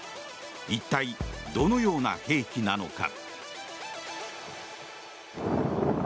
一体どのような兵器なのか。